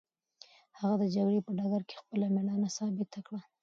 هغه د جګړې په ډګر کې خپله مېړانه ثابته کړه.